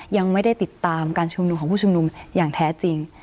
ยังไม่ได้ติดตามการชุมนุมของผู้ชุมนุมอย่างแท้จริง